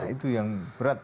itu yang berat